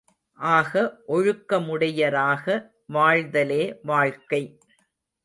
ஆக ஒழுக்கமுடையராக வாழ்தலே வாழ்க்கை.